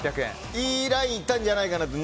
いいラインいったんじゃないかなと。